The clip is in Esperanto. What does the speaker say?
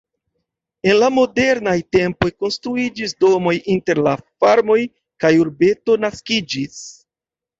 En la modernaj tempoj konstruiĝis domoj inter la farmoj kaj urbeto naskiĝis.